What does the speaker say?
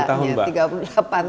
tiga puluh delapan tahun mbak